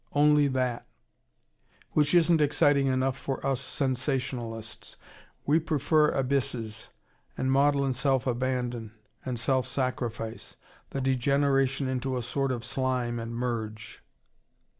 Only that. Which isn't exciting enough for us sensationalists. We prefer abysses and maudlin self abandon and self sacrifice, the degeneration into a sort of slime and merge.